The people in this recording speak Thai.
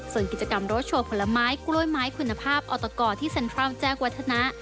ส่วนกิจกรรมรถโชว์ผลไม้กล้วยไม้คุณภาพออตกที่เซ็นทรัลแจ้งวัฒนะ